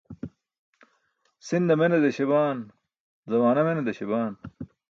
Si̇nda mene deśabaan, zamaana mene désabaan.